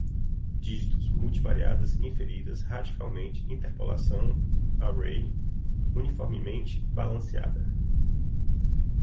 dígitos, multi-variadas, inferidas, radicalmente, interpolação, array, uniformemente, balanceada